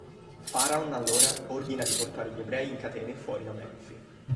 Pharaon allora ordina di portare gli ebrei in catene fuori da Menfi.